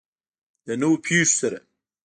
د نویو پیښو سره.